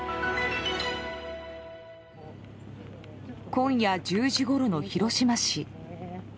今夜１０時ごろの広島市。